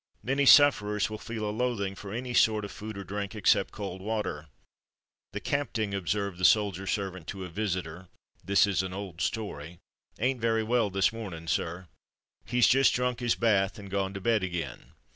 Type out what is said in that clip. Many sufferers will feel a loathing for any sort of food or drink, except cold water. "The capting," observed the soldier servant to a visitor (this is an old story), "ain't very well this morning, sir; he've just drunk his bath, and gone to bed again."